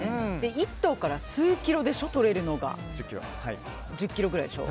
１頭からとれるのが１０ｋｇぐらいでしょ。